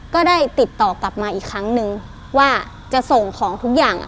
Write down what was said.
ก็ได้ติดต่อกลับมาอีกครั้งนึงว่าจะส่งของทุกอย่าง